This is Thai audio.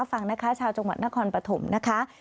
ฟังนะคะชาวจังหวัดนครปฐมนะคะ